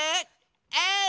えい！